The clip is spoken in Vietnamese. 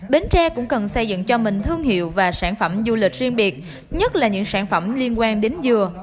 bến tre cũng cần xây dựng cho mình thương hiệu và sản phẩm du lịch riêng biệt nhất là những sản phẩm liên quan đến dừa